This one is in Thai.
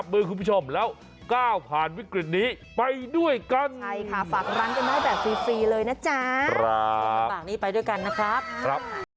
บอกแบบนี้ไปด้วยกันนะครับ